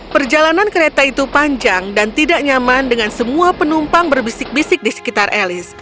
perjalanan kereta itu panjang dan tidak nyaman dengan semua penumpang berbisik bisik di sekitar elis